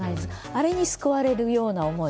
あれに救われるような思い。